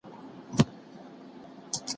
روښانه او څرګند شي